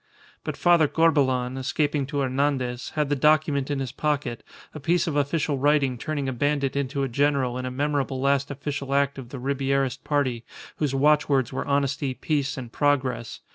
But Father Corbelan, escaping to Hernandez, had the document in his pocket, a piece of official writing turning a bandit into a general in a memorable last official act of the Ribierist party, whose watchwords were honesty, peace, and progress.